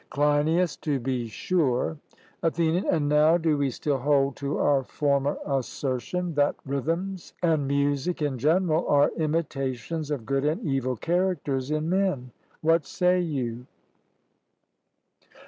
CLEINIAS: To be sure. ATHENIAN: And now do we still hold to our former assertion, that rhythms and music in general are imitations of good and evil characters in men? What say you?